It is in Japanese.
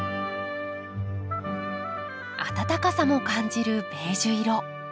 温かさも感じるベージュ色。